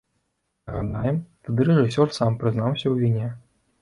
Нагадаем, тады рэжысёр сам прызнаўся ў віне.